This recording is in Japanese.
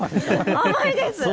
甘いです。